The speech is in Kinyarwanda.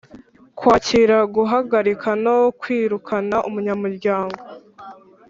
Kwakira, guhagarika no kwirukana umunyamuryango